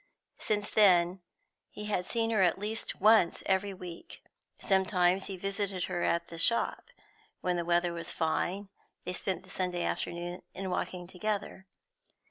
Since then, he had seen her at least once every week. Sometimes he visited her at the shop; when the weather was fine, they spent the Sunday afternoon in walking together.